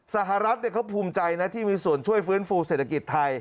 สหรัฐเขาภูมิใจนะที่มีส่วนช่วยฟื้นฟูเศรษฐกิจไทย